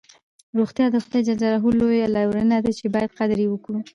روغتیا د خدای ج لویه لورینه ده چې باید قدر یې وکړو.